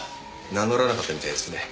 名乗らなかったみたいですね。